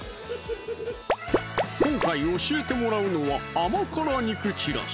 今回教えてもらうのは「甘辛肉ちらし」